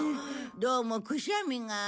どうもくしゃみが。